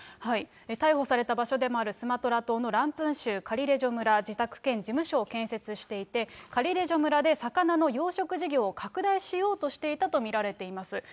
逮捕された場所でもあるスマトラ島のランプン州カリレジョ村自宅兼事務所を建設していて、カリレジョ村で魚の養殖事業を拡大しようとしていたと見られています。